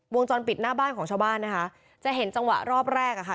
วงจรปิดหน้าบ้านของชาวบ้านนะคะจะเห็นจังหวะรอบแรกอ่ะค่ะ